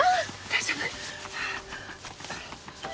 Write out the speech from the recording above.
大丈夫？